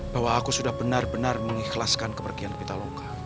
bahwa aku sudah benar benar mengikhlaskan kepergian pitaloka